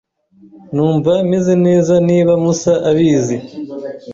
Numva meze neza niba Musa abizi.